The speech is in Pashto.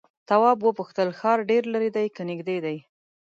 تواب وپوښتل ښار ډېر ليرې دی که نږدې دی؟